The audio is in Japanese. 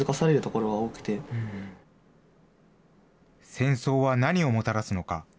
戦争は何をもたらすのか。